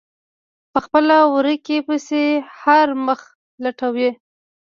په خپله ورکې پسې هر مخ لټوي.